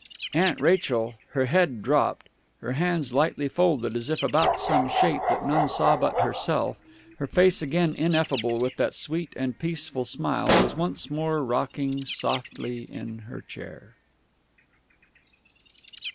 Aunt Rachel, her head dropped, her hands lightly folded as if about some shape that none saw but herself, her face again ineffable with that sweet and peaceful smile, was once more rocking softly in her chair.